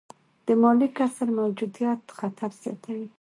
د مالي کسر موجودیت خطر زیاتوي.